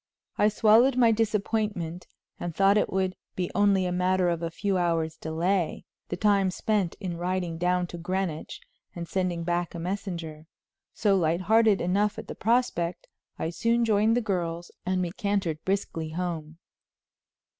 I swallowed my disappointment, and thought it would be only a matter of a few hours' delay the time spent in riding down to Greenwich and sending back a messenger. So, light hearted enough at the prospect, I soon joined the girls, and we cantered briskly home.